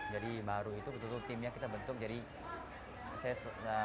jadi baru itu betul betul timnya kita baru jadi baru itu betul betul timnya kita baru